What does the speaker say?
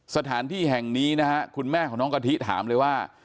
สถานที่แห่งนี้นะฮะคุณแม่ของน้องกะทิถามเลยว่า